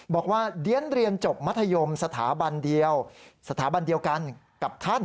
บอกว่าเดี๋ยนเรียนจบมัธยมสถาบันเดียวกันกับท่าน